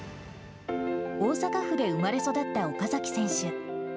大阪府で生まれ育った岡崎選手。